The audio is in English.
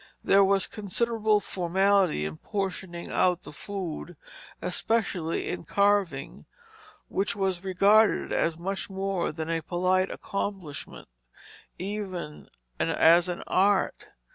There was considerable formality in portioning out the food, especially in carving, which was regarded as much more than a polite accomplishment, even as an art.